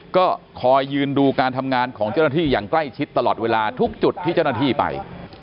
ก็คอยยืนดูการทำงานของเจ้าหน้าที่อย่างใกล้ชิดตลอดเวลาทุกจุดที่เจ้าหน้าที่ไป